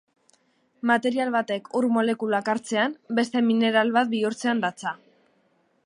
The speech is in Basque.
Material batek ur molekulak hartzean, beste mineral bat bihurtzean datza.